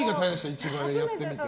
一番やってみて。